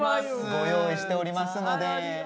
ご用意しておりますので。